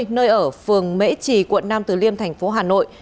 nơi ở phường mễ trì quận nam từ liêm thành phố hà nội